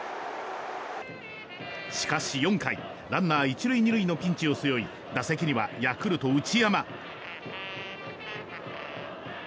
しかし４回、ランナー１塁２塁のピンチを背負い打席にはヤクルト、内山。